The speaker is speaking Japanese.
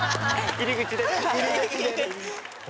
入り口で。